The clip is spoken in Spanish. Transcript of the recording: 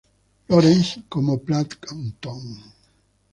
Lawrence como Plankton.